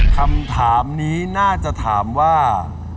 คำถามนี้น่าจะถามว่า